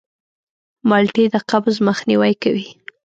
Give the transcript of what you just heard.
مالټې د قبض مخنیوی کوي.